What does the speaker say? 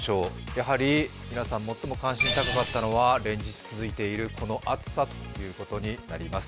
やはり皆さん、最も関心が高かったのは連日続いているこの暑さということになります。